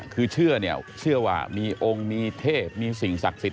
คือเชื่อเนี่ยเชื่อว่ามีองค์มีเทพมีสิ่งศักดิ์สิทธ